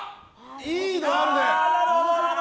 いいのあるね。